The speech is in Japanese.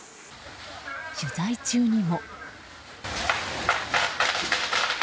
取材中にも。